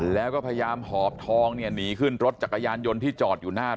แล้วก็พยายามหอบทองเนี่ยหนีขึ้นรถจักรยานยนต์ที่จอดอยู่หน้า